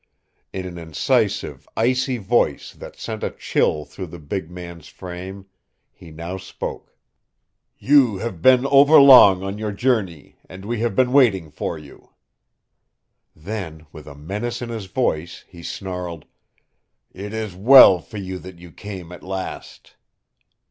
In an incisive, icy voice that sent a chill through the big man's frame, he now spoke. "You have been overlong on your journey and we have been waiting for you." Then with a menace in his voice he snarled, "It is well for you that you came at last."